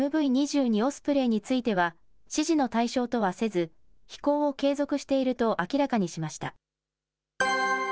オスプレイについては、指示の対象とはせず、飛行を継続していると明らかにしました。